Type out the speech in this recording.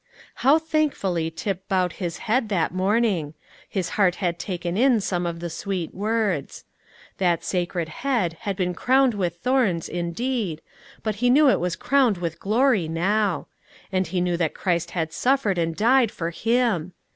How thankfully Tip bowed his head that morning; his heart had taken in some of the sweet words. That sacred head had been crowned with thorns, indeed, but he knew it was crowned with glory now, and he knew that Christ had suffered and died for him!